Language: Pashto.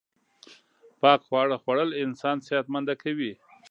پاک خواړه خوړل انسان صحت منده کوی